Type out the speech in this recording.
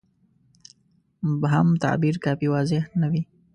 مبهم تعبیر کافي واضحه نه وي.